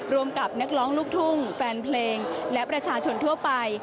กับนักร้องลูกทุ่งแฟนเพลงและประชาชนทั่วไป